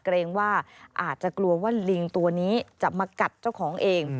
เกรงว่าอาจจะกลัวว่าลิงตัวนี้จะมากัดเจ้าของเอง